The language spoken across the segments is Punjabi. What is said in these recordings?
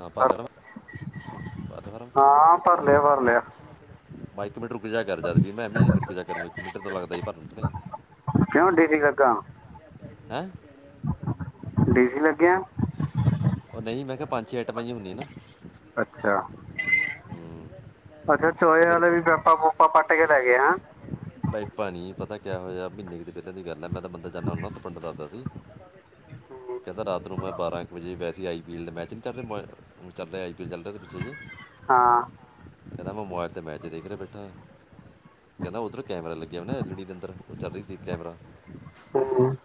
ਹਾਂ ਭਰ ਲੈਣਾ ਭਰ-ਲਿਆ ਭਰ ਦੇ ਫਾਰਮ ਹਾਂ ਭਰ ਲਿਆ- ਭਰ ਲਿਆ। ਮੈਂ ਇੱਕ ਮਿੰਟਰ ਰੁੂਜਿਆ ਕਰ ਜਾਦ ਵੀ ਮੈਂ ਵੀ ਮੇਰੇੁ ਕਰੂੰ ਇੱਕ ਮਿੰਟਰ ਤਾਂ ਲੱਗਦਾ ਹੀ ਭਰਨ ਕਿਉਂ ਡੀ-ਸੀ-ਲੱਗਾ। ਹੈਂ ਡੀ-ਜੀ ਲੱਗਿਆ, ਉਹ ਨਹੀਂ ਮੈਂ ਕਿਹਾ, ਪੰਜ ਛੇ ਆਈਟਮਾਂ, ਜੀ ਹੁੰਦੀਆਂ ਨਾ, ਅੱਛਾ, ਅੱਛਾ ਉਹ ਚੋਹੇ ਫਿਰ ਵਾਲੇ ਪ- ਵੀ ਪਾਇਪਾ -ਪੁਈਪਾ ਪੱਟ ਕੇ ਲੈ ਗਏ ਹੈਂ। ਬਾਈ ਪਾ ਨਹੀਂ ਪਤਾ ਕਿਆ ਹੋਇਆ, ਮਹੀਨੇ ਦੀ ਗੱਲ ਮੈਂ ਤਾਂ ਮੰਦਰ ਜਾਂਦਾ ਹੁੰਦਾ-ਪੰਡਿਤ ਦੱਸਦਾ ਸੀ। ਹੂੰ, ਕਹਿੰਦਾ ਰਾਤ ਨੂੰ ਮੈਂ ਬਾਰਾਂ ਵ ਜੇ ਵੈਸੇ ਆਈ ਪੀ ਐਲ ਦਾ ਮੈਚ, ਨਹੀਂ ਚੱਲ ਰਿਹਾ ਚੱਲ ਰਿਹਾ, ਆਈ ਪੀ ਐੱਲ ਚੱਲ ਰਿਹਾ ਤਾਂ ਪਿਛੇ ਜੇ। ਹਾਂ। ਕਹਿੰਦਾ ਮੈਂ ਮੋਬਾਇਲ ਤੇ ਮੈਚ ਦੇਖ ਰਿਹਾ, ਬੈਠਾ ਕਹਿੰਦਾ ਉੱਧਰ ਕੈਮਰਾ ਲੱਗਿਆ ਹੁੰਦਾ ਨਾ ਐਲ ਈ ਡੀ ਦੇ ਅੰਦਰ ਉਹ ਚੱਲ ਰਹੀ ਸੀ ਕੈਮਰਾ। ਹਮ। ਹਮ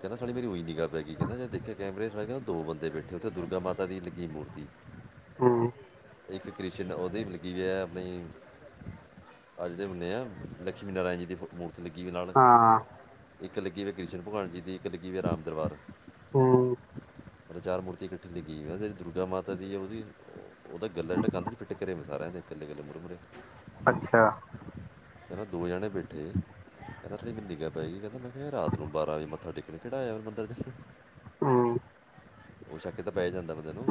ਕਹਿੰਦਾ ਸਾਡੀ ਮੇਰੀ ਉਈ ਨਿਗਾ ਪੇ ਗਈ ਕਹਿੰਦਾ ਚ ਦੇਖਿਆ ਕੈਮਰਾ ਚ ਦੋ ਬੰਦੇ ਬੈਠੇ ਉੱਥੇ ਦੁਰਗਾ ਮਾਤਾ ਦੀ ਲੱਗੀ ਮੂਰਤੀ। ਹਮ ਇੱਕ ਕ੍ਰਿਸਚਨ ਉਹਦੀ ਮਤਲਗੀ ਵੀ ਆਪਣੀ ਅੱਜ ਦੇ ਬਨੇ ਆ ਲਕਸ਼ਮੀ ਨਾਰਾਇਣ ਜੀ ਦੀ ਮੂਰਤੀ ਲੱਗੀ ਦੀ ਨਾਲ ਹਾਂ ਇੱਕ ਲੱਗੀ ਵੀ ਕ੍ਰਿਸ਼ਨ ਭਗਵਾਨ ਜੀ ਦੀ ਇੱਕ ਲੱਗੀ ਹੋਈ ਰਾਮ ਦਰਬਾਰ ਹੂੰ, ਚਾਰ ਮੂਰਤੀ ਇਕੱਠੀ ਲੱਗੀ ਗ ਵੈਂ ਦੁਰਗਾ ਮਾਤਾ ਦੀ ਹੈ ਉਹਦੀ ਉਹਦਾ ਗੱਲਾ ਜਿਹੜਾ ਕੰਧ ਚ ਫਿਟ ਕਰਿਆ ਵਾ ਸਾਰਿਆਂ ਦੇ ਇਕੱਲੇ ਇਕੱਲੇ ਮੁਰ ਮੁਰਰੇ ਅੱਛਾ ਕਹਿੰਦਾ ਦੋ ਜਾਣੇ ਬੈਠੇ ਕਹ ੜੀ ਮਨ ਨਿੱਗ ਪਏਈ ਕਹਿੰ ਮੈਂ ਕਿਹਾ ਰਾਤ ਨੂੰ ਬਾਰਾਂ ਵਜੇ ਮੱਥਾ ਟੇਕਣ ਕਿਹੜਾ ਆਇਆ ਮੰਦਰ ਹਮ ਉਹ ਸ਼ੱਕ ਤਾਂ ਪੈ ਜਾਂਦਾ ਬੰਦੇ ਨੂੰ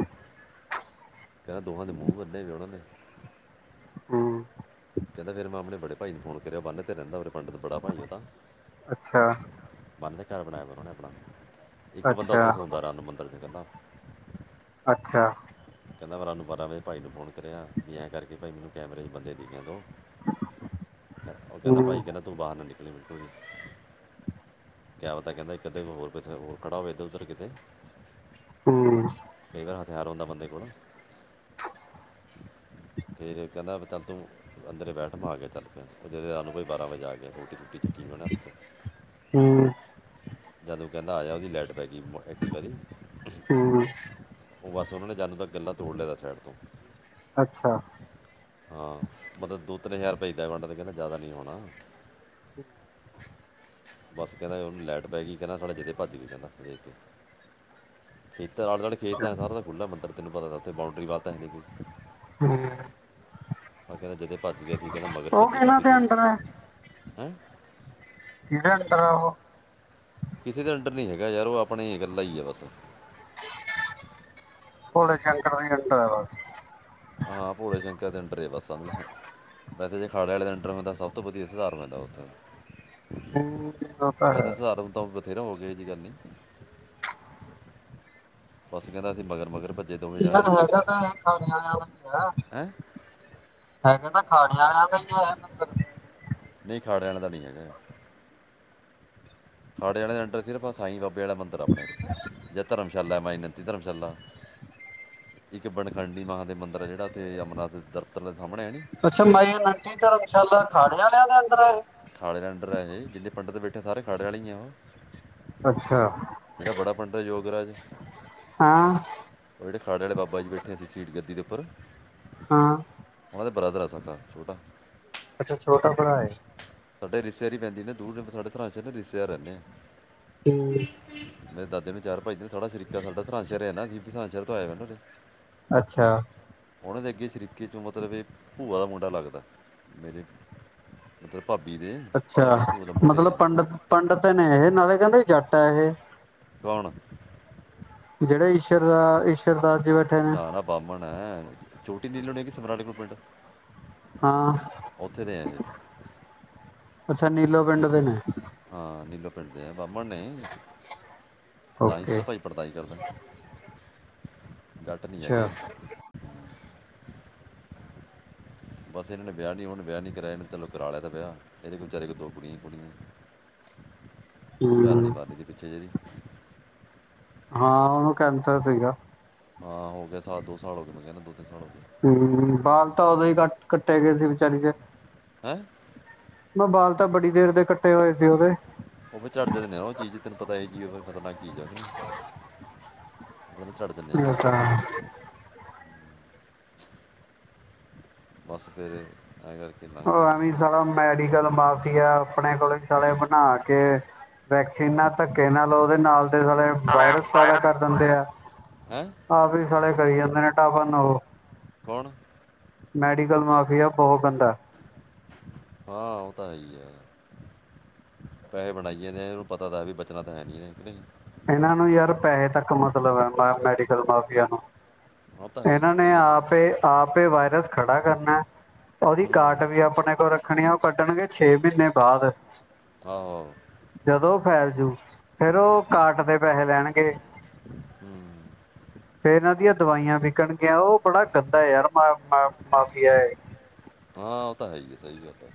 ਕਹਿਿੰਦਾ ਦੋਹਾਂ ਦੇ ਮੂੰਹ ਬੰਨੇ ਨੇ ਉਹਨਾਂ ਨੇ ਹਮ ਕਹਿੰਦਾ ਫਿਰ ਮੈਂ ਆਪਣੇ ਬੜੇ ਭਾਈ ਨੂੰ ਫੋਨ ਕਰਿਆ ਬੰਨ ਤੇ ਰਹਿੰਦਾ ਪੰਡਤ ਬੜਾ ਭਾਈ ਉਹ ਤਾਂ ਅੱਛਾ ਂ ਬਨ ਦੇ ਘਰ ਬਣਾਇਆ ਦਾ ਉਹਨੇ ਆਪਣਾ ਇੱਕ ਬੰਦਾ ਉੱਥੇ ਅੱਛਾ ਸੌਦਾ ਰਾਮ ਮੰਦਰ ਚ ਕਹਿੰਦਾ। ਅੱਛਾ। ਕਹਿੰਦਾ ਮੈਂ ਰਾਨੂੰ ਬਾਰਾਂ ਵਜੇ ਭਾਈ ਨੂੰ ਫੋਨ ਕਰਿਆ ਵੀ ਐਂ ਕਰਕੇ ਭਾਈ ਮੈਨੂੰ ਕੈਮਰੇ ਚ ਬੰਦੇ ਦਿਖੇ ਦੋ। ਉਹ ਕਹਿੰਦਾ ਹੂੰ, ਭਾਈ ਕਹਿੰਦਾ ਤੂੰ ਬਾਹਰ ਨਾ ਨਿਕਲੀ ਬਿਲਕੁਲ ਵੀ ਕਿਆ ਪਤਾ ਕਹਿੰਦਾ ਇਕ ਅੱਧੇ ਨੂੰ ਹੋਰ ਕਿੱਥੇ ਖੜਾ ਹੋਵੇ ਇਧਰ ਉੱਧਰ ਕਿਤੇ। ਹਮ ਕਈ ਤਰ੍ਹਾ ਦਾ ਹਥਿਆਰ ਹੁੰਦਾ ਬੰਦੇ ਕੋਲ। ਫੇਰ ਕਹਿੰਦਾ ਵੀ ਚੱਲ ਤੂੰ ਅੰਦਰ ਬੈਠ ਮੈਂ ਆ ਗਿਆ ਚੱਲ। ਉਹ ਜਦੇ ਰਾਤ ਨੂੰ ਬਾਰਾਂ ਵਜੇ ਆ ਕੇ ਰੋਟੀ ਰੂਟੀ ਚੱਕੀ ਉਹ ਨਾ ਹੱਥ ਹੂੰ, ਜਦ ਉਹ ਕਹਿੰਦਾ ਆ ਜਾ ਉਹਦੀ ਲਾਈਟ ਪੈ ਗਈ ਐਕਟੀਵਾ ਦੀ ਹੂੰ, ਉਹ ਬਸ ਉਹਨਾਂ ਨੇ ਜਦ ਤੱਕ ਗੱਲਾ ਤੋੜ ਲਿਆ ਤਾ ਸਾਈਡ ਤੋਂ। ਅੱਛਾ। ਹਾਂ ਮਤਲਬ ਦੋ ਤਿੰਨ ਹਜ਼ਾਰ ਰੁਪਏ ਈਦਾ ਵੰਡਾ ਤੇ ਕਹਿੰਦੇ ਜ਼ਿਆਦਾ ਨਹੀਂ ਹੋਣਾ। ਹਮ [inaudible] ਬਸ ਕਹਿੰਦਾ ਉਹਨੂੰ ਲਾਈਟ ਪੈ ਗਈ ਕਹਿੰਦਾ ਸਾਲੇ ਜਦੇ ਭੱਜ ਗਏ ਕਹਿੰਦਾ ਦੇਖ ਕੇ। ਖੇਤਾਂ ਆਲੇ ਦੁਆਲੇ ਖੇਤ ਅੱਛਾ ਹੈ ਸਾਰਾ ਖੁੱਲ੍ਹਾ ਮੰਦਰ ਤੈਨੂੰ ਪਤਾ ਤਾਂ ਉੱਥੇ ਬਾਊਂਡਰੀ ਵਧ ਹੈ ਨਹੀਂ ਕੋਈ। ਹੂੰ। ਮੈਂ ਕਹਿੰਦੇ ਜਦੇ ਭੱਜ ਗਿਆ ਸੀ। ਕਹਿੰਦਾ ਮਗਰ ਉਹ ਭੱਜੇ ਕਿਹਨਾਂ ਕਾਫ਼ੀ ਦੇ ਦੂਰ ਅੰਡਰ ਹੈ ਹੈਂ। ਕਿਦੇ ਅੰਡਰ ਆ ਉਹ ਕਿਸੇ ਦੇ ਅੰਡਰ ਨੀ ਹੈਗਾ ਯਾਰ ਉਹ ਆਪਣੇ ਕੱਲਾ ਹੀ ਹੈ ਬਸ। ਭੋਲੇ ਸ਼ੰਕਰ ਦੇ ਅੰਡਰ ਹੈ ਬਸ। ਹਾਂ, ਹਾ ਭੋਲੇ ਸ਼ੰਕਰ ਦੇ ਅੰਡਰ ਈ ਆ ਬੱਸ। ਵੈਸੇ ਜੇ ਅਖਾੜੇ ਵਾਲੇ ਦੇ ਅੰਡਰ ਹੁੰਦਾ ਸਭ ਤੋਂ ਵਧੀਆ ਸੁਧਾਰ ਪੈਂਦਾ ਉੱਥੇ। ਹੂੰ, ਉਹ ਤਾਂ ਹੈ ਵੈਸੇ ਸੁਧਾਰ ਫਿਰ ਹੋ ਗਏ ਇਹ ਜਹੀ ਗੱਲ ਨੀ ਬਸ ਕਹਿੰਦਾ ਅਸੀਂ ਮਗਰ ਮਗਰ ਭੱਜ ਇਹਨਾਂ ਦਾ ਹੈਗਾ ਤਾਂ ਇਹ ਖਾਣੇ ਵਾਲਿਆਂ ਚ ਵੀ ਹੈ। ਹੈਂ ਹੈਗੇ ਤਾਂ ਅਖਾੜਿਆਂ ਆ ਤਾਂ ਹੀ ਹੈ। ਨਹੀਂ ਅਖਾੜੇ ਆਲਿਆ ਦਾ ਨਹੀਂ ਹੈਗਾ ਇਹ ਅਖਾੜੇ ਆਲਿਆ ਦੇ ਅੰਡਰ ਸਿਰਫ ਸਾਈ ਬਾਬੇ ਵਾਲਾ ਮੰਦਿਰ ਆ ਆਪਣੇ ਜਾ ਧਰਮਸ਼ਾਲਾ ਮਾਈ ਕਿ ਧਰਮਸ਼ਾਲਾ ਇੱਕ ਬਨਖੰਡੀ ਮਹਾ ਦੇਵ ਮੰਦਰ ਹੈ ਜਿਹੜਾ ਇੱਥੇ ਅਮਰਨਾਥ ਪਤਰ ਦੇ ਸਾਹਮਣੇ ਹੈ। ਨੀ ਅੱਛਾ ਮਾਈੰ ਆਨੰਤੀ ਧਰਮਸ਼ਾਲਾ ਖਾੜੇ ਆਂ ਲਿਆਂ ਦੇ ਅੰਡਰ ਏ। ਖਾੜੇ ਦੇ ਅੰਡਰ ਹੈ ਇਹ ਜਿਥੇ ਪੰਡਿਤ ਬੈਠੇਆ ਸਾਰੇ ਖਾੜੇ ਵਾਲੇ ਹੀ ਉਹ ਅੱਛਾ। ਜਿਹੜਾ ਬੜਾ ਪੰਡਤ ਯੋਗਰਾਜ ਹਾਂ। ਉਹ ਜਿਹੜੇ ਖਾੜੇ ਵਾਲੇ ਬਾਬਾ ਜੀ ਬੈਠੇ ਅ ਸੀਟ ਗੱਦੀ ਉੱਪਰ ਹਾਂ। ਉਹ ਦੇ ਬ੍ਰਦਰ ਆ ਸਗਾ ਛੋਟਾ। ਅੱਛਾ ਛੋਟਾ ਭਰਾ ਏ। ਸਾਡੇ ਰ ਰਿਸ਼ਤੇਦਾਰੀ ਪੈਂਦੀ ਨੇ ਨਾ ਦੂਰ ਸਾਡੇ ਥਾਂ 'ਸਰੰਦ ਸ਼ਹਰ ਸਾਡੇ ਰਿਸ਼ਤੇਦਾਰ ਰੈਂਦੇ। ਹੂੰ, ਮੇਰੇ ਦਾਦੇ ਨੂੰ ਚਾਰ ਬਾਈ ਤੇ ਸੋਨਾ ਸੀ ਸ਼ਰੀਕਾ ਸਾਡਾ ਸਰੰਦ ਸ਼ਹਿਰ ਹੈ ਨਾ ਵੀਰ ਜੀ ਸਰੰਦ ਸ਼ਹਿਰ ਤੋਂ ਆਇਆ ਹੈ ਨਾ। ਅੱਛਾ। ਉਹਨਾਂ ਦੇ ਅੱਗੇ ਸਰੀਕੇ ਚੋਂ ਮਤਲਬ ਇਹ ਭੂਆ ਦਾ ਮੁੰਡਾ ਲੱਗਦਾ ਮੇਰੇ ਮਤਲਬ ਭਾਬੀ ਦੇ ਅੱਛਾ ਭਾਬੀ ਦੇ ਭੂਆ ਦਾ ਮੁੰਡੇ ਆ ਮਤਲਬ ਇਹ ਪੰਡਿਤ, ਪੰਡਿਤ ਨੇ ਇਹ ਨਾਲੇ ਕਹਿੰਦੇ ਜੱਟ ਹੈ ਇਹ। ਕੌਣ। ਜਿਹੜੇ ਈਸ਼ਰ ਦਾ ਈਸ਼ਰ ਦਾਸ ਜੀ ਬੈਠੇ ਨੇ ਨਾ ਨਾ ਬਾਮਣ ਹੈ ਛੋਟੀ ਨੀਲੋਂ ਨੀ ਹੈ ਗੀ ਸਮਰਾਲੇ ਨਾਲ ਪਿੰਡ ਹਾਂ ਉੱਥੇ ਦੇ ਆ ਇਹ ਅੱਛਾ ਨੀਲੋ ਪਿੰਡ ਦੇ ਨੇ। ਹਾਂ ਨੀਲੋ ਪਿੰਡ ਦੇ ਆ, ਬਾਹਮਣ ਨੇ ਤਾਂ ਹੀ ਓਕੇ ਭਾਈ ਪੰਡਤਾਈ ਹੀ ਕਰਦਾ। ਜੱਟ ਨੀ ਅੱਛਾ ਹੈਗੇ। ਬਸ ਇਹਨਾਂ ਨੇ ਵਿਆਹ ਨਹੀਂ ਹੁਣ ਵਿਆਹ ਨਹੀਂ ਕਰਾਇਆ ਨਹੀਂ ਤਾ ਵਿਚਾਰੇਨੇ ਕਰਾ ਲਿਆ ਵਿਆਹ ੍ਹਇਹਦੇ ਕੋ ਵਿਚਾਰੇ ਕੋ ਦੋ ਕੁੜੀਆਂ ਹੀ ਕੁੜੀਆਂ ਘਰ ਵਾਲੀ ਹੂੰ, ਮਾਰਗੀ ਪਿੱਛੇ ਜੇ ਏਦੀ। ਹਾਂ ਉਹਨੂੰ ਕੈਂਸਰ ਸੀਗਾ। ਹਾਂ ਹੋ ਗਿਆ ਸਾਲ ਦੋ ਸਾਲ ਹੋ ਗਏ ਮੈਂ ਕਿਹਨਾਂ ਦੋ ਤਿੰਨ ਸਾਲ ਹੋ ਗਏ। ਹਮ ਬਾਲ ਤਾਂ ਉਦੋਂ ਹੀ ਕੱਟ ਕੱਟੇ ਗਏ ਸੀ ਵਿਚਾਰੀ ਦੇ ਹੈਂ। ਮੈ ਬਾਲ ਤਾਂ ਬੜੀ ਦੇਰ ਦੇ ਕੱ ਕੱਟੇ ਹੋਏ ਸੀ ਉਹਦੇ। ਉਹ ਫੇਰ ਚਝੜ੍ਹ ਜਾਂ ਦਿੰਦੇ ਆ ਉਹ ਚੀਜ਼ ਤੈਨੂੰ ਪਤਾ ਹੀ ਚੀਜ਼ ਖਤਰਨਾਕ ਚੀਜ਼ ਆ ਕੇ ਨਹੀਂ ਬਰੇ ਚੜਦੇ ਨੇ ਇਹ ਬਾਲ ਤਾਂ ਬੱਸ ਫੇਰੇ ਅਗਰ ਉਹ ਐਵੇਂ ਈ ਸਾਡਾ ਮੈਡੀਕਲ ਮਾਫੀਆ ਆਪਣੇ ਕੋਲੋਂ ਹੀ ਸਾਲੇ ਬਣਾ ਕੇ ਵੈਕਸੀਨਾ ਧੱਕੇ ਨਾਲ ਉਹਦੇ ਨਾਲ ਦੇ ਸਾਲੇ ਵਾਇਰਸ ਪੈਦਾ ਕਰ ਦਿੰਦੇ ਆ। ਹੈ ਆਪ ਵੀ ਸਾਲੇ ਕਰੀ ਜਾਂਦੇ ਨੇ ਟਫਨਾ ਉਹ ਕੌਣ। ਮੈਡੀਕਲ ਮਾਫੀਆ ਬਹੁਤ ਗੰਦਾ ਏ ਹਾਂ ਉਹ ਤਾਂ ਹੈਹੀ ਹੈ। ਪੈਸੇ ਬਣਾਈਏ ਨੇ ਇਹਨੂੰ ਪਤਾ ਤਾਂ ਵੀ ਬਚਣਾ ਤਾਂ ਹੈ ਨੀ ਇਹ ਕੇ ਨਹੀਂ ਇਹਨਾਂ ਨੂੰ ਯਾਰ ਪੈਸੇ ਤੱਕ ਮਤਲਬ ਹੈ ਮਤਲਬ ਹੈ ਮੈਡੀਕਲ ਮਾਫੀਆ ਨੂੰ ਉਹ ਤਾਂ ਹੈ ਹੀ ਇਹਨਾਂ ਨੇ ਸਹੀ ਗੱਲ ਆ ਆਪੇ ਆਪ ਇਹ ਵਾਇਰਸ ਖੜਾ ਕਰਨਾ ਏ ਉਹਦੀ ਹੂੰ ਕਾਟ ਵੀ ਆਪਣੇ ਕੋਲ ਰੱਖਣੀ ਆ, ਉਹ ਕੱਟਣਗੇ ਛੇ ਮਹੀਨੇ ਬਾਅਦ ਆਹੋ ਜਦੋਂ ਫੈਲ ਜੂ ਫੇਰ ਉਹ ਕਾਰਟ ਦੇ ਪੈਸੇ ਲੈਣਗੇ। ਹੂੰ ਫੇਰ ਇਹਨਾਂ ਦੀਆਂ ਦਵਾਈਆਂ ਵਿਕਣਗੀਆਂ ਉਹ ਬੜਾ ਗੰਦਾ ਹੈ ਯਾਰ ਮਾਫੀਆ ਇਹ ਹਾਂ ਉਹ ਤਾਂ ਹੈ ਹੀ ਹੈ ਸਹੀ ਗੱਲ ਹੈ।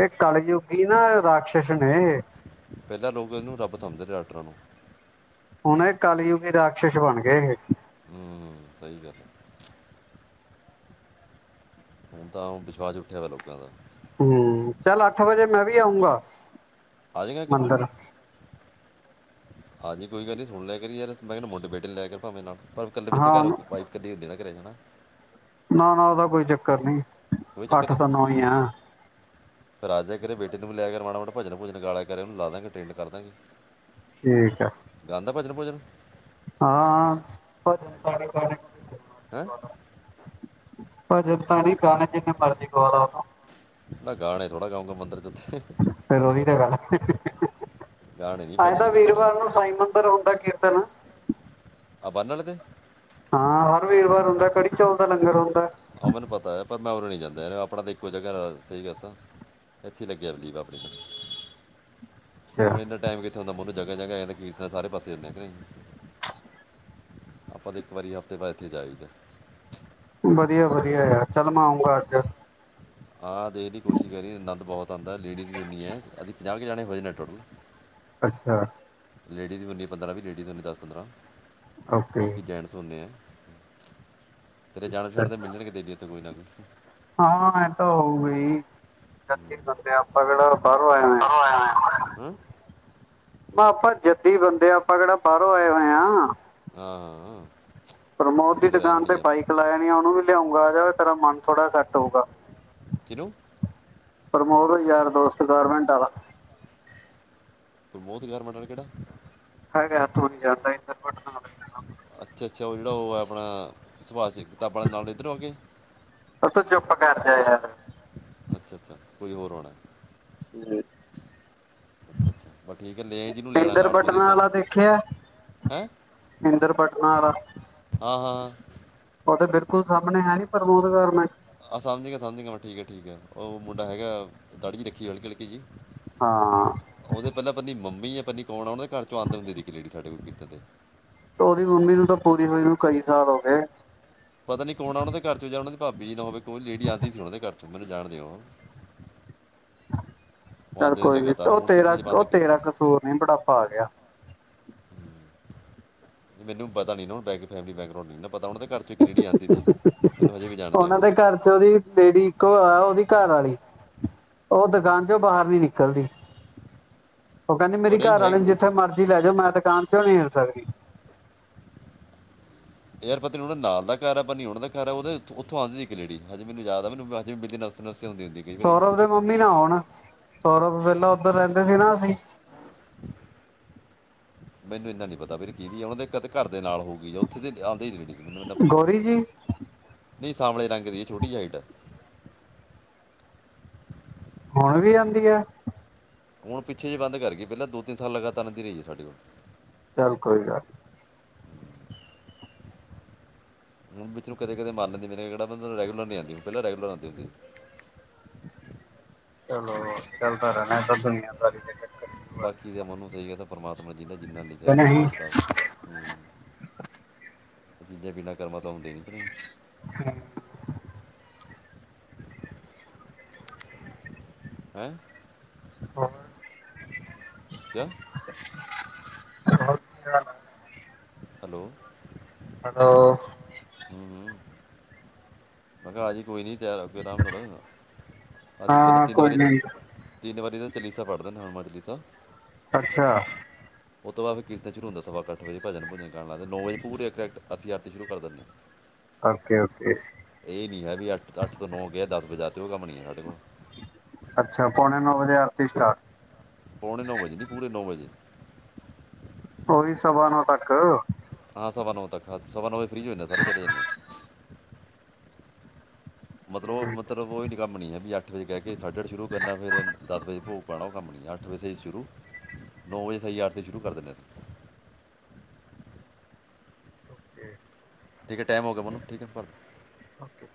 ਇਹ ਕਲਯੁਗੀ ਨਾ ਰਾਕਸ਼ਸ ਨੇ ਇਹ ਪਹਿਲਾਂ ਲੋਕ ਇਹਨੂੰ ਰੱਬ ਸਮਜਦੇ ਨੇ ਡਾਕਟਰਾਂ ਨੂੰ ਹੁਣ ਇਹ ਕਾਲਯੁਗੀ ਰਾਕਸ਼ਸ਼ ਬਣ ਗਏ ਇਹ ਹਮ ਸਹੀ ਗੱਲ ਹੈ। ਹੁਣ ਤਾਂ ਵਿਸ਼ਵਾਸ ਉੱਠਿਆ ਵਾ ਲੋਕਾਂ ਦਾ ਹਮ ਚੱਲ ਅੱਠ ਵਜੇ ਮੈਂ ਵੀ ਆਊਂਗਾ ਆ ਜਾਏਗਾ ਮੰਦਿਰ ਹਾਂਜੀ ਕੋਈ ਗੱਲ ਨੀ ਸੁਣ ਲੈ ਕਰ ਯਾਰ ਮੈਂ ਕਿਹਾ ਮੁੰਡੇ ਬੇਟੇ ਲੈ ਕਰ ਭਾਵੇਂ ਨਾਲ ਪਰ ਇਕੱਲੇ ਪਿੱਛੇ ਹਾਂ ਘਰਾਈ ਕਦੀ ਇਦੇ ਨਾ ਕਰੇਗਾ ਨਾ। ਨਾ, ਨਾ ਉਹਦਾ ਕੋਈ ਚੱਕਰ ਨਹੀਂ ਕੋਈ ਚੱਕਰ ਨਹੀਂ। ਤਾਂ ਹੀ ਆ ਫੇਰ ਆ ਜੀਆ ਕਰੀ ਬੇਟੀ ਨੂੰ ਲੈ ਕੇ ਮਾੜਾ ਮੋਟਾ ਭਜਨ ਭੂਜਨ ਗਾ ਲਿਆ ਕਰੇ ਉਹਨੂੰ ਲਾ ਦਾਂਗੇ ਟਰੇਡ ਕਰਦਾ ਗੇ ਠੀਕ ਏ। ਗਾਂਂਦਾ ਭਜਨ, ਭੁਜਨ ਹਾਂ, ਹਾਂ ਭਜਨ ਗਾਲੇ ਗਾਣੇ ਗੁਨ ਹੈਂ ਗਾਲੇ ਭਜਣ ਤਾਂ ਨਹੀਂ ਗਾਣੇ ਜੀ ਨੇ ਮਰਜੀ ਗਵਾਲਾ ਉਹਨੂੰ ਮੈਂ ਗਾਣੇ ਥੋੜ੍ਹਾ ਗਾਊਂਗਾ ਮੰਦਿਰ ਚ ਉੱਥੇ ਫੇਰ ਉਹੀ ਤੇ ਗੱਲ ਹੈ ਗਾਣੇ ਨਹੀਂ ਇਹ ਤਾ ਭਜਨ ਗਾਣਾ ਵੀਰਵਾਰ ਨੂੰ ਸਾਈ ਮੰ ਉਧਰ ਹੁੰਦਾ ਕੀਰਤਨ ਆਹ ਬਾਨੇ ਵਾਲੇ ਦੇ ਹਾਂ ਹਰ ਵੀਰਵਾਰ ਹੁੰਦਾ ਕੜੀ ਚੌਲ ਦਾ ਲੰਗਰ ਹੁੰਦਾ। ਆਹ ਮੈਨੂੰ ਪਤਾ ਹੈ, ਪਰ ਮੈਂ ਉਰੇ ਨਹੀਂ ਜਾਂਦਾ ਆਪਣਾ ਤਾਂ ਇੱਕੋ ਜਗ੍ਹਾ ਸਹੀ ਦੱਸਾਂ ਇੱਥੇ ਲੱਗਿਆ ਦੀਪ ਆਪਣੀ ਦਾ ਅੱਛਾ ਹੁਣ ਇੰਨਾ ਟਾਈਮ ਕਿ ਹੁੰਦਾ ਮੈਨੂੰ ਜਗ੍ਹਾ-ਜਗ੍ਹਾ ਐਸੇ ਕੀਰਤਨ ਸਾਰੇ ਪਾਸੇ ਹੂੰਦੇ ਨੇ। ਆਪਾਂ ਤੇ ਇੱਕ ਵਾਰੀ ਹਫ਼ਤੇ ਬਾਅਦ ਇੱਥੇ ਜਾਈਦਾ। ਵਧੀਆ-ਵਧੀਆ ਯਾਰ ਚੱਲ ਮੈਂ ਆਊਂਗਾ ਅੱਜ ਹਾਂ ਦੇਖ ਦੀ ਕੋਸ਼ਿਸ਼ ਕਰੀਏ ਆਨੰਦ ਬਹੁਤ ਆਉਂਦਾ ਲੇਡੀਜ਼ ਵੀ ਓਨੀ ਹੈ ਅਸੀਂ ਪੰਜਾਹ ਕੇ ਜਾਣੇ ਹੋ ਜਾਨੇ ਟੋਟਲ। ਅੱਛਾ। ਲੇਡੀਜ਼ ਹੁੰਦੀ ਪੰਦਰਾਂ ਵੀ ਲੇਡੀਜ਼ ਹੋਦੀ ਦਸ ਪੰਦਰਾਂ ਓਕੇ ਬਾਕੀ ਜੈਂਟਸ ਹੁੰਦੇ ਹੈ। ਤੇਰੇ ਜਾਣ ਪਛਾਣ ਦੇ ਮਿਲ ਅੱਛਾ ਜਾਣਗੇ ਦੇਖੀ ਕੋਈ ਨਾ ਕੋਈ। ਹਾਂ ਇਹ ਤਾਂ ਹੋਊ ਗਾਈ। ਜਦੀ ਬੰਦੇ ਆਪਾਂ ਕਿਹੜਾ ਬਾਹਰੋਂ ਆਏ ਆ। ਹੈਂ। ਆਪਾਂ ਜੱਦੀ ਬੰਦੇ ਆਪਾਂ ਕਿਹੜਾ ਬਾਹਰੋਂ ਆਏ ਹੋਏ ਹਾਂ। ਹਾਂ ਅ ਪ੍ਰਮੋਦ ਦੀ ਦੁਕਾਨ ਤੇ ਬਾਈਕ ਲਾਇ ਆਣੀ ਉਹਨੂੰ ਵੀ ਲਿਆਉਂਗਾ ਜਾ ਤੇਰਾ ਮਨ ਥੋੜ੍ਹਾ ਸੈੱਟ ਹੋਊਗਾ। ਕਿਨੂੰ ਪ੍ਰਮੋਦ ਯਾਰ ਦੋਸਤ ਗਾਰਮਿੰਟ ਆਲਾ ਪ੍ਰਮੋਦ ਗਾਰਮੰਡ ਵਾਲਾ ਕਿਹੜਾ ਹੈਗਾ ਤੂ ਨਹੀਂ ਜਾਨਦਾ ਹੈਗਾ। ਅੱਛਾ-ਅੱਛਾ ਉਹ ਜਿਹੜਾ ਉਹ ਹੈ ਆਪਣਾ ਸੁਭਾਸ਼ ਕਿਤਾਬਾਂ ਦੇ ਨਾਲ ਇੱਧਰ ਹੋ ਕੇ ਉਹ ਤ ਚੁਪ ਕਰ ਜਾ ਯਾਰ ਅੱਛਾ-ਅੱਛਾ ਕੋਈ ਹੋਰ ਹੋਣਾ। [unintelligible] ਅੱਛਾ [unintelligible] ਇੰਦਰ ਪਟਨਾ ਵਾਲਾ ਵਧੀਆ ਦੇਖਿਆ ਤੇ ਇੰਦਰ ਪਟਨਾ ਵਾਲਾ ਹਾਂ ਹਾਂ ਉਹ ਤਾਂ ਬਿਲਕੁਲ ਸਾਹਮਣੇ ਹੈ ਨੀ ਪ੍ਰਮੋਦ ਗਾਰਮੈਂਟ ਆਹ ਸਮਝਗ ਸਮਝਗਾ ਮੈਂ ਠੀਕ ਹੈ ਠੀਕ ਆ ਉਹ ਮੁੰਡਾ ਹੈਗਾ ਦਾੜੀ ਜਹੀ ਰੱਖੀ ਹਲਕੀ-ਹਲਕੀ ਜੀ। ਹਾਂ। ਉਹਦੇ ਪਹਿਲਾਂ ਪਨੀ ਮੰਮੀ ਏਨੀ ਕੌ ਆਉਦੇ ਉਣਦੇ ਘਰ ਚੋਂ ਆਂ ਹੁੰਦੇ ਖੀ ਲੇਡੀ ਸਾਡੇ ਕਿਰਤਣ ਤੇ ਉਹਦੀ ਮੰਮੀ ਨੂੰ ਤਾਂ ਪੂਰੀ ਹੋਈ ਨੂੰ ਕਈ ਸਾਲ ਹੋ ਗਏ ਪਤਾ ਨੀ ਕੌਣਾ ਉਹਨਾਂ ਦੇ ਘਰ ਚ ਜਾਂ ਉਹਨਾਂ ਦੀ ਭਾਬੀ ਨਾ ਹੋਵੇ ਕੋਈ ਲੇਡੀ ਆਉਂਦੀ ਸੀ ਉਹਨਾਂ ਦੇ ਘਰ ਚੋਂ ਮੈਨੂੰ ਜਾਣ ਦਿਓ। ਉਹ ਚੱਲ ਆਉਂਦੇ ਕੋਈ ਨੀ ਲਗਾਤਾਰ ਉਹ ਹੁਣ ਪਿੱਛੇ ਤੇਰਾ ਜੇ ਉਹ ਬੰਦ ਤੇਰਾ ਕਸੂਰ ਨੀ ਬੁਢਾਪਾ ਆ ਗਿਆ। ਮੈਨੂੰ ਪਤਾ ਨੀ ਬੈ ਫੈਮਲੀ ਬੈਕਗਰਾਉਂਡ ਨੀ ਪਤਾ ਹੁਣ ਦੇ ਘਰ ਇੱਕ ਲੇੜੀ ਆਉਂਦੀ ਸੀ ਮਤਲਬ ਹਜੇ ਵੀ ਜਾਣਦੇ ਉਹਨਾਂ ਉਹਨੂੰ ਦੇ ਘਰ ਉਹਦੀ ਲੇਡੀ ਇੱਕ ਆ ਉਹਦੀ ਘਰ ਵਾਲੀ ਉਹ ਦੁਕਾਨ ਚੋਂ ਬਾਹਰ ਨੀ ਨਿਕਲਦੀ। ਉਹ ਕਹਿੰਦੀ ਮੇਰੀ ਨਹੀਂ ਘਰ ਹੈ ਆਲੇ ਨੂੰ ਜਿੱਥੇ ਮਰਜ਼ੀ ਲੈ ਜਾਓ ਮੈਂ ਦੁਕਾਨ ਚੋਂ ਨੀ ਹਿਲ ਸਕਦੀ। ਯਾਰ ਪਤਾ ਨੀ ਉਹਨਾਂ ਨਾਲ ਦਾ ਘਰ ਹੈ ਪਣੀ ਉਹਨਾਂ ਦਾ ਘਰ ਉਹਦੇ ਉੱਥੋਂ ਆਉਂਦੀ ਇੱਕ ਲੇੜੀ ਹਜੇ ਮੈਨ ਯਾਦ ਮੈਨੂੰ ਹਜੇ ਮ ਸਮੱਸਿਆ ਹੁੰਦੀ ਹੁੰਦੀ ਕਈ ਵਾਰੀ ਸੌਰਭ ਨੇ ਮੰਮੀ ਨਾ ਆਣਾ ਸੌਰਭ ਪਹਿਲਾਂ ਉਧਰ ਰਹਿੰਦੇ ਸੀ ਨਾ ਅਸੀਂ। ਮੈਨੂੰ ਇੰਨਾ ਨਹੀਂ ਪਤਾ ਮੇਰੇ ਦੀਦੀ ਕੀ ਉਹਨਾਂ ਦੇ ਘਰ ਦੇ ਨਾਲ ਹੋ ਗਈ ਆ ਉੱਥੇ ਦੇ ਜਾਂਦੇ ਦੀਦੀ। ਮੈਨੂੰ ਏਨਾ ਪਤਾ ਗੌਰੀ ਜੀ ਨੀ ਸਾਂਵਲੇ ਰੰਗ ਦੀ ਛੋਟੀ ਜਿਹੀ ਹਾਈਟ ਹੈ। ਹੁਣ ਵੀ ਆਉਂਦੀ ਹੈ। ਹੁਣ ਪਿਛੇ ਜੇ ਬੰਦ ਕਰ ਗਏ ਪਹਿਲਾਂ ਦੋ-ਤਿੰਨ ਸਾਲ ਲਗਾਤਾਰ ਆਂਦੀ ਰਹੀ ਹੈ ਸਾਢੇ ਕੋਲ। ਚੱਲ ਕੋਈ ਗੱਲ [inaudible] ਹੁਣ ਵਿਚ ਕਦੇ-ਕਦੇ ਮਾਰ ਲੈਂਦੀ ਵੀਰੇ ਗੇੜਾ ਬਸ ਹੁਣ ਰੈਗੂਲਰ ਨਹੀਂ ਆਉਦੀ ਪਹਿਲਾਂ ਰੈਗੂਲਰ ਆਉਦੀ ਹੰਦੀ ਹਾਂ ਚੱਲ ਘਰ ਇਹ [unintelligible] ਬਾਕੀ ਜੇ ਮੈਨੂੰ ਸਹੀ ਹੈ ਕੇਦਾ ਪਰਮਾਤਮਾ ਨ ਜੀਦਾ ਜਿੰਨਾ ਲਿਖਿਆ ਕਿ ਵੇ ਨਹੀਂ ਹਿਸਾਬ-ਕਿਤਾਬ। ਜੀਦੇ ਬੀਣਾ ਕਰਮਾਂ ਤਾਂ ਆਂਦੇ ਕੇ ਨਹੀਂ [unintelligible] ਹੈ। ਹੋਰ [unintelligible] ਕ [unintelligible] [unintelligible] ਕੀ ਹਾਲ ਹੈ। ਹੈਲੋ! ਹੈਲੋ! ਹੂੰ ਹੂੰ ਮੈਂ ਕਿਹਾ ਆ ਜੀ ਕੋਈ ਨਹੀਂ ਤਿਆਰ ਹੋਈ ਆਰਾਮ ਅੱਜ ਪਹਿਲਾਂ ਹਾਂ ਤਿੰਨ ਕੋਈ ਵਾਰੀ ਨਹੀਂ ਤਿੰਨ ਵਾਰੀ ਦਾ ਚਲੀਸਾ ਪੜ੍ਹਦੇ ਨੇ ਨਾਮ ਚਲੀਸਾ। ਅੱਛਾ! ਉਸ ਤੋਂ ਬਾਅਦ ਫਿਰ ਕੀਰਤਨ ਸ਼ੁਰੂ ਹੁੰਦਾ ਸਵਾ ਅੱਠ ਵਜੇ ਭਜਨ ਭੁਜਨ ਕਰਨਾ ਨੌ ਵੇ ਪੂਰੇ ਡਾਇਰੈਕਟ ਅਸੀਂ ਆਰਤੀ ਸ਼ੁਰੂ ਕਰ ਦਿੰਦੇ ਆਂ [inaudible] ਓਕੇ ਓਕੇ ਇਹ ਨੀ ਹੈ ਵੀ ਅੱਠ- ਅੱਠ ਤੋਂ ਨੌ ਗਏ ਦਸ ਵਜਾ ਤੇ ਉਹ ਕੰਮ ਨਹੀ ਸਾਡੇ ਕੋਲ ਅੱਛਾ, ਪੌਣੇ ਨੌ ਵਜੇ ਅਰਤੀ ਸਟਾਰਟ ਪੌਣੇ ਨੌ ਵਜੇ ਪੂਰੇ ਨੌਂ ਵਜੇ। ਓਹੀ ਸਵਾ ਨੌਂ ਤੱਕ। ਹਾਂ ਸਵਾ ਨੌ ਤੱਕ ਸਵਾ ਨੌ ਵਜੇ ਫਰੀ ਹੁੰਦੇ ਸਾਰੇ ਚਲੇ ਜਾਂਦੇ ਐਂ। ਮਤਲਬ ਮ ਹੈ। ਮਤਲਬ ਓਈ ਨੀ ਕੰਮ ਨੀ ਐ ਵੀ ਅੱਠ ਵਜੇ ਕੈ ਕੇ ਸਾਢੇ ਅੱਠ ਸ਼ੁਰੂ ਕਰਨਾ ਫਿਰ ਦਸ ਵਜੇ ਭੋਗ ਪੌਨਾ ਓ ਕੰਮ ਨੀ ਹੈਗਾ ਅੱਠ ਵਜੇ ਸ਼ੁਰੂ ਨੌ ਵਜੇ ਸਈ ਆਰਤੀ ਸ਼ੁਰੂ ਕਰ ਦਿੰਦੇ ਆਂ ਅਸੀਂ। ਓਕੇ। ਠੀਕ ਐ ਟੈਮ ਹੋ ਗੇਆ ਮੰਨੂੰ ਠੀਕ ਐ ਪਰ ਓਕੇ।